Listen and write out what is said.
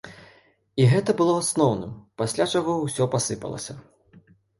І гэта было асноўным, пасля чаго ўсё пасыпалася.